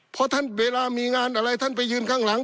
เพราะท่านเวลามีงานอะไรท่านไปยืนข้างหลัง